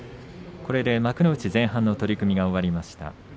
これで幕内前半の取組が終わりました。